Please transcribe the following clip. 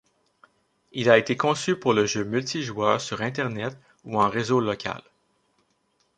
Il a été conçu pour le jeu multijoueur sur internet ou en réseau local.